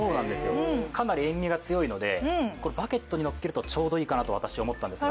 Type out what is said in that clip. かなり塩味が強いので、バケットに乗せるとちょうどいいかなと私、思ったんですが。